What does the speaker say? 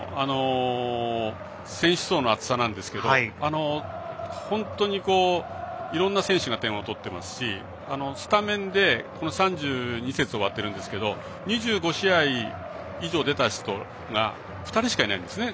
「選手層の厚さ」なんですけど本当にいろんな選手が点を取ってますしスタメンで３２節終わってるんですけど２５試合以上出た人が２人しかいないんですね。